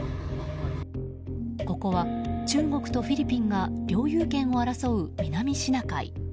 ここは中国とフィリピンが領有権を争う南シナ海。